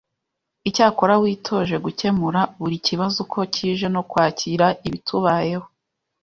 Icyakora twitoje gukemura buri kibazo uko kije no kwakira ibitubayeho.